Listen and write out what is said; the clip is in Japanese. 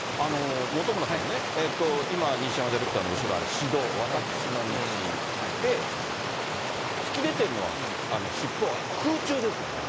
本村さんね、今、西山ディレクターの後ろ、あれ私道、私の道、で、突き出ているのは、尻尾は空中ですよね。